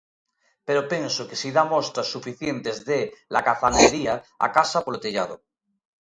Pero penso que si dá mostras suficientes de lacazanería: a casa polo tellado.